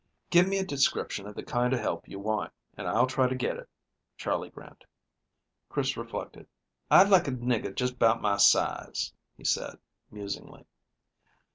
"Give me a description of the kind of help you want, and I'll try to get it," Charley grinned. Chris reflected. "I'd like a nigger jes' 'bout my size," he said musingly.